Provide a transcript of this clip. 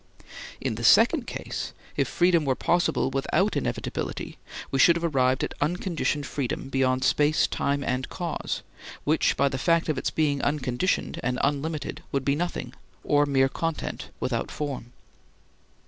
In the second case, if freedom were possible without inevitability we should have arrived at unconditioned freedom beyond space, time, and cause, which by the fact of its being unconditioned and unlimited would be nothing, or mere content without form.